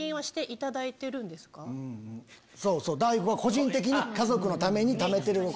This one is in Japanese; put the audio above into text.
そうそう大悟が個人的に家族のためにためてるお金。